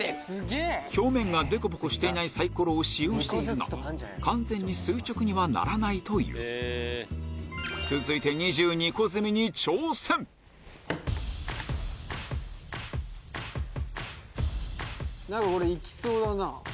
表面がでこぼこしていないサイコロを使用しているが完全に垂直にはならないという続いてこれいきそうだな。